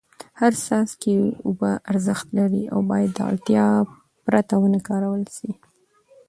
هر څاڅکی اوبه ارزښت لري او باید د اړتیا پرته ونه کارول سي.